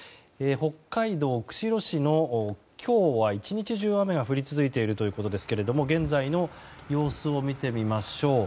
北海道釧路市の今日は１日中雨が降り続いているということですが現在の様子を見てみましょう。